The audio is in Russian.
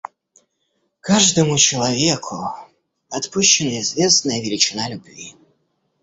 Каждому человеку отпущена известная величина любви.